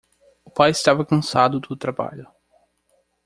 O pai estava cansado do trabalho.